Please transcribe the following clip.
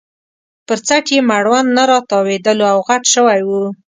پر څټ یې مړوند نه راتاوېدلو او غټ شوی وو.